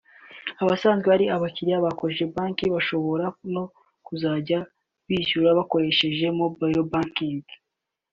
Abasanzwe ari abakiriya ba Cogebanque bashobora no kuzajya bishyura bakoresheje “mobile banking”